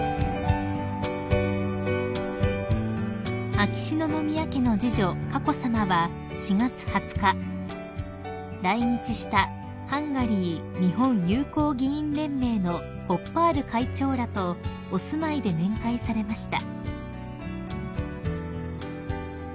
［秋篠宮家の次女佳子さまは４月２０日来日したハンガリー・日本友好議員連盟のホッパール会長らとお住まいで面会されました］